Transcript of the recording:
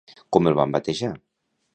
Com el van batejar?